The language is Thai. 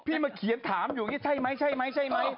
พี่มาเขียนถามอยู่ใช่ไหม